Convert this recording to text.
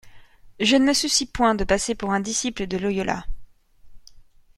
Je ne me soucie point de passer pour un disciple de Loyola.